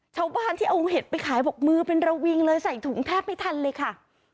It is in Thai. ชาวบ้านที่เอาเห็ดไปขายบอกมือเป็นระวิงเลยใส่ถุงแทบไม่ทันเลยค่ะ